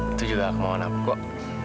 itu juga kemauan aku kok